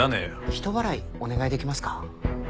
人払いお願いできますか？